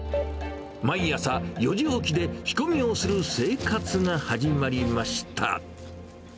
毎朝４時起きで仕込みをする生活が始まりました。